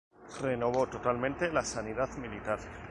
Renovó totalmente la sanidad militar.